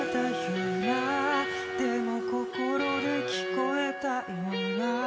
「でも心で聞こえたような」